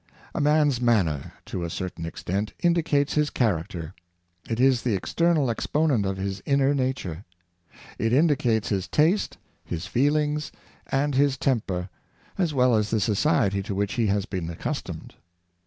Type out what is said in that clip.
A man's manner, to a certain extent, indicates his character. It is the external exponent of his inner na ture. It indicates his taste, his feelings, and his tem per, as well as the society to which he has been accus tomed.